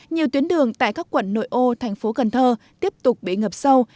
nhiều tuyến đường tại các quận nội ô tp cn tiếp tục bị ngập sâu